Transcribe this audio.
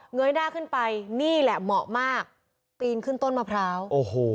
เย้ยหน้าขึ้นไปนี่แหละเหมาะมากปีนขึ้นต้นมะพร้าวโอ้โห